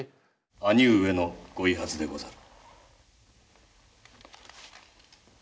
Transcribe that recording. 兄上の御遺髪でござる。